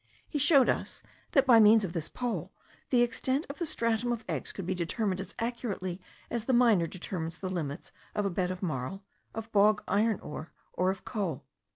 He showed us, that by means of this pole, the extent of the stratum of eggs could be determined as accurately as the miner determines the limits of a bed of marl, of bog iron ore, or of coal.